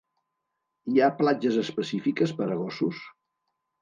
Hi ha platges específiques per a gossos?